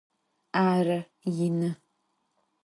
Arı, yinı.